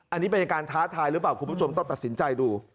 อันนี้เป็นการท้าทายหรือเปล่าคุณผู้ชมต้องตัดสินใจดู